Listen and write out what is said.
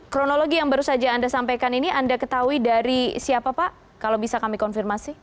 kronologi yang baru saja anda sampaikan ini anda ketahui dari siapa pak kalau bisa kami konfirmasi